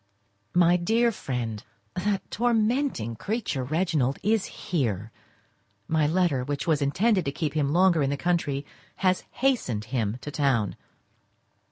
My dear Friend,—That tormenting creature, Reginald, is here. My letter, which was intended to keep him longer in the country, has hastened him to town.